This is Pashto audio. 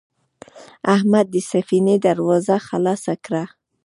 احمد د سفینې دروازه خلاصه کړه.